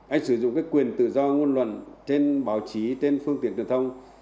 anh sử dụng cái quyền tự do ngôn luận trên báo chí trên phương tiện truyền thông